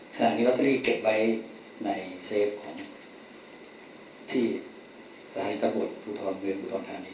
ขณะนี้ก็ต้องรีบเก็บไว้ในเซฟของที่สถานีกรรมบทภูทรเมืองภูทรธารณี